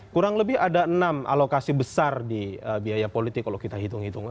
kurang lebih ada enam alokasi besar di biaya politik kalau kita hitung hitungan